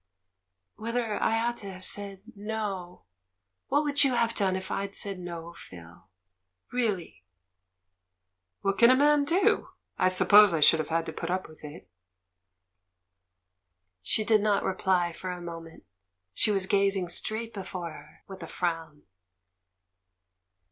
"Whether I ought to have said 'no.' What would you have done if I'd said 'no,' Phil? Real ly?" "What can a man do? I suppose I should have had to put up with it." She did not reply for a moment. She was gazing straight before her, with a frown.